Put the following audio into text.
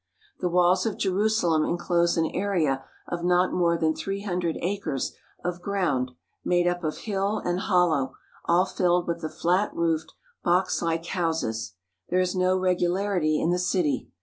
The walls of Jerusalem enclose an area of not more than three hundred acres of ground, made up of hill and hol low, all filled with the flat roofed box like houses. There is no regularity in the city.